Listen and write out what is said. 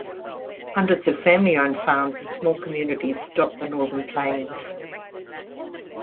Hundreds of family-owned farms and small communities dot the Northern Plains.